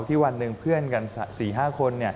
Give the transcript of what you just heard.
ที่วันหนึ่งเพื่อนกันสี่ห้าคน